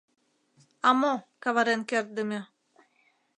— А мо, каварен кертдыме...